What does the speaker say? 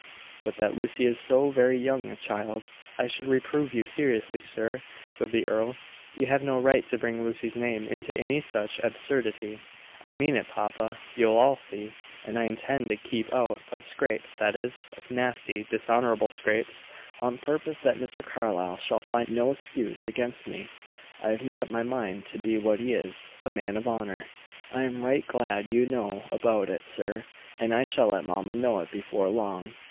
"But that Lucy is so very young a child, I should reprove you seriously, sir," said the earl. "You have no right to bring Lucy's name into any such absurdity." "I mean it, papa; you'll all see. And I intend to keep out of scrapes that is, of nasty, dishonorable scrapes on purpose that Mr. Carlyle shall find no excuse against me. I have made up my mind to be what he is a man of honor. I am right glad you know about it, sir, and I shall let mamma know it before long."